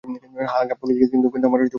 হ্যাঁ পাপ্পু, কিন্তু আমার খুব ভয় লাগছে।